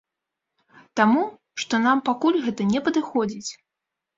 Таму, што нам пакуль гэта не падыходзіць.